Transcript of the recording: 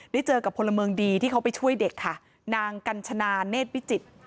เจอกับพลเมืองดีที่เขาไปช่วยเด็กค่ะนางกัญชนาเนธวิจิตร